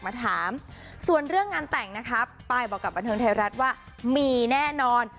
มาถามส่วนเรื่องงานแต่งนะคะป้ายบอกกับบันเทิงไทยรัฐว่ามีแน่นอน